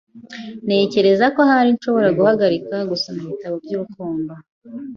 Ntekereza ko ahari nshobora guhagarika gusoma ibitabo by'urukundo.